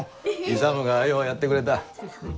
勇がようやってくれた。